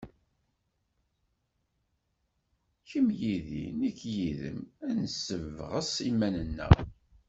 Kemm yid-i, nekk yid-m, ad nessebɣes iman-nneɣ.